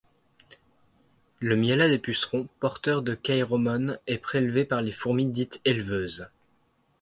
Le miellat des pucerons, porteur de kairomones est prélevé par les fourmis dites éleveuses.